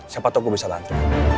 siapa tau gue bisa lantri